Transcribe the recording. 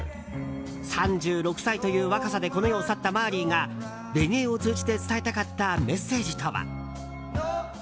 ３６歳という若さでこの世を去ったマーリーがレゲエを通じて伝えたかったメッセージとは？